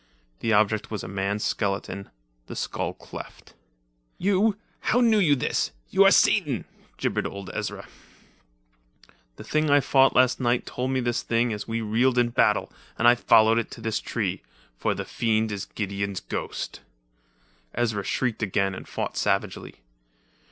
The object was a man's skeleton, the skull cleft. "You—how knew you this? You are Satan!" gibbered old Ezra. Kane folded his arms. "The thing I fought last night told me this thing as we reeled in battle, and I followed it to this tree. For the fiend is Gideon's ghost." Ezra shrieked again and fought savagely.